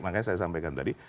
makanya saya sampaikan tadi